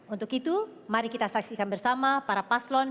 untuk itu mari kita saksikan bersama para paslon